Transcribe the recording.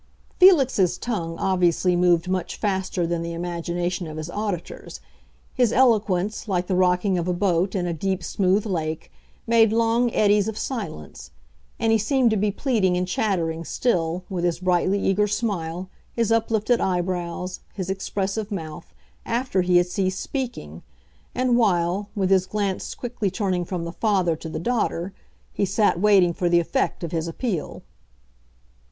Felix's tongue obviously moved much faster than the imagination of his auditors; his eloquence, like the rocking of a boat in a deep, smooth lake, made long eddies of silence. And he seemed to be pleading and chattering still, with his brightly eager smile, his uplifted eyebrows, his expressive mouth, after he had ceased speaking, and while, with his glance quickly turning from the father to the daughter, he sat waiting for the effect of his appeal.